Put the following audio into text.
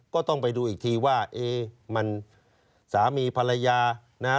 ก็ต้องไปดูอีกทีว่าเอ๊มันสามีภรรยานะฮะ